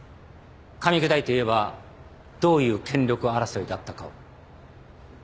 かみ砕いて言えばどういう権力争いだったかを。